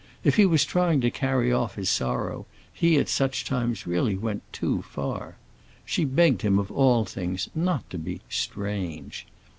If he was trying to carry off his sorrow, he at such times really went too far. She begged him of all things not to be "strange."